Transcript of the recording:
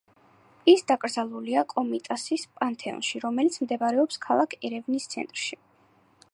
ის დაკრძალულია კომიტასის პანთეონში, რომელიც მდებარეობს ქალაქ ერევნის ცენტრში.